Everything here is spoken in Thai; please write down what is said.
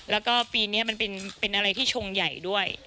แล้วก็ปีนี้มันเป็นอะไรที่ชงใหญ่ด้วย